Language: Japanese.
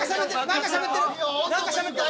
何かしゃべってる。